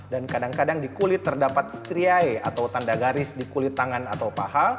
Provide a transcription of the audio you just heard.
dan kadang kadang di kulit terdapat striae atau tanda garis di kulit tangan atau paha